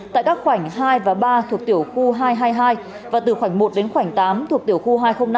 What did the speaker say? tại các khoảnh hai và ba thuộc tiểu khu hai trăm hai mươi hai và từ khoảnh một đến khoảnh tám thuộc tiểu khu hai trăm linh năm